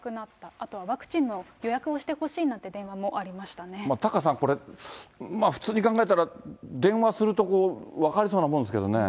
あとはワクチンの予約をしてほしタカさん、これ、普通に考えたら、電話するところ、分かりそうなもんですけどね。